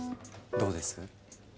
どうです？